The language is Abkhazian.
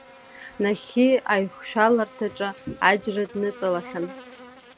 Нахьхьи, аҩхшәаларҭаҿы аџьра дныҵалахьан.